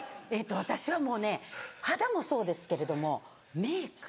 私はもうね肌もそうですけれどもメイク。